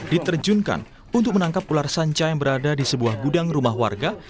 diterjunkan untuk menangkap ular sanca yang berada di sebuah gudang rumah warga